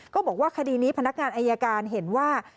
บอกว่าคดีนี้พนักงานอายการเห็นว่า